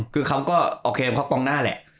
คือเขาก็โอเคเพราะกองหน้าแหละ